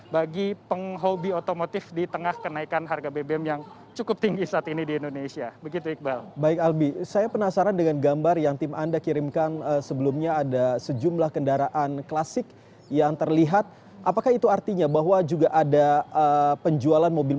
bagi penghobi otomotif yang bisa menanggulangi harga bbm yang tinggi